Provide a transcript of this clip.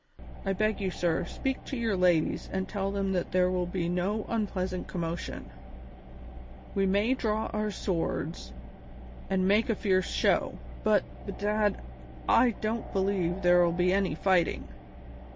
I beg you, sir, speak to your ladies and tell them that there will be no unpleasant commotion; we may draw our swords and make a fierce show, but, bedad, I don't believe there'll be any fighting.